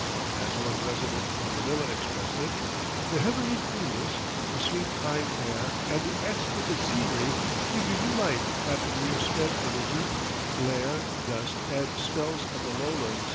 As one resident in Manila expressed it: "The heavenly coolness, the sweet pine air and the exquisite scenery give you new life after the years spent in the heat, glare, dust and smells of the lowlands."